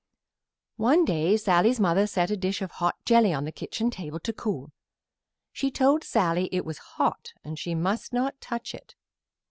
One day Sallie's mother set a dish of hot jelly on the kitchen table to cool. She told Sallie it was hot and she must not touch it.